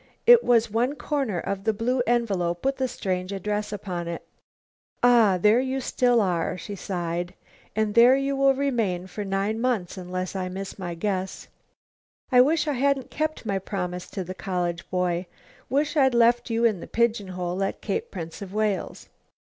It was one corner of the blue envelope with the strange address upon it. "Ah, there you are still," she sighed. "And there you will remain for nine months unless I miss my guess. I wish I hadn't kept my promise to the college boy; wish I'd left you in the pigeon hole at Cape Prince of Wales."